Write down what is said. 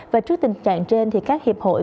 và trước tình trạng trên thì các hiệp hội